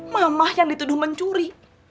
mama yang dituduh mencuri